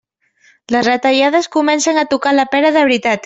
Les retallades comencen a tocar la pera de veritat.